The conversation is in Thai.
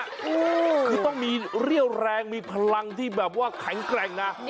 คือต้องมีเรี่ยวแรงมีพลังที่แบบว่าแข็งแกร่งนะ